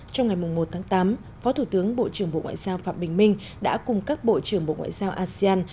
trong ngày một tháng tám phó thủ tướng bộ trưởng bộ ngoại giao phạm bình minh đã cùng các bộ trưởng bộ ngoại giao asean